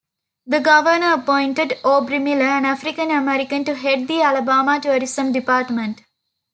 The Governor appointed Aubrey Miller, an African-American, to head the Alabama Tourism Department.